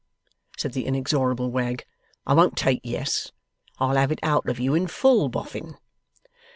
said the inexorable Wegg: 'I won't take yes. I'll have it out of you in full, Boffin.